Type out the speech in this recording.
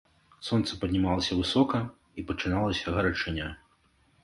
Сонца паднімалася высока, і пачыналася гарачыня.